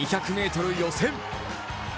２００ｍ予選。